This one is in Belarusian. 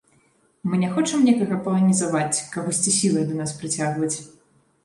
Мы не хочам некага паланізаваць, кагосьці сілай да нас прыцягваць.